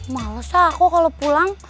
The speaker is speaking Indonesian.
malesah aku kalo pulang